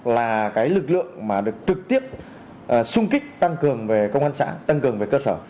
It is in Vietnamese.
là cái lực lượng mà được trực tiếp xung kích tăng cường về công an xã tăng cường về cơ sở